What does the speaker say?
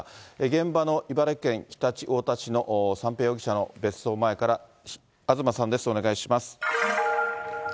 現場の茨城県常陸太田市の三瓶容疑者の別荘前から東さんです、お願いします。